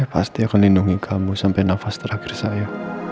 pasti akan lindungi kamu sampai nafas terakhir saya